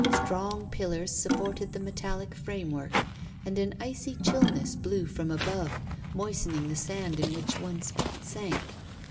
Strong pillars supported the metallic framework, and an icy chillness blew from above, moistening the sand in which one's feet sank.